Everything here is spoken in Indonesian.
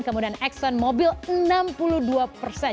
kemudian exxon mobil enam puluh dua persen